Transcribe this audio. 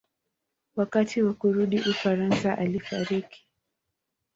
Wakati wa kurudi Ufaransa alifariki.